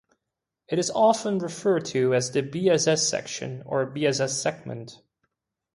It is often referred to as the "bss section" or "bss segment".